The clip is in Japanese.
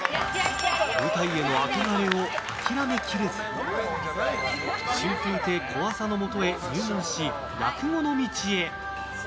舞台への憧れを諦めきれず春風亭小朝のもとへ入門し落語の道へ。